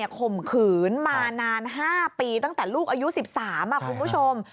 ข่มขืนมานาน๕ปีตั้งแต่ลูกอายุ๑๓คุณผู้ชม